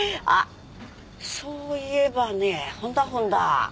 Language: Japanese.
あっそういえばねほんだほんだ。